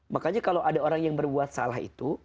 makanya kalau ada orang yang berbuat salah itu